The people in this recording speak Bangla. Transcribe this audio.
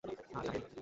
না, জানাইনি।